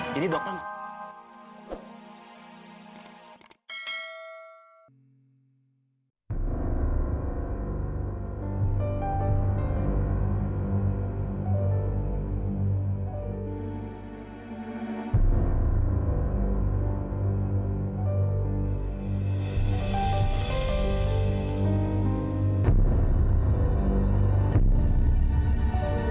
jadi dokter nggak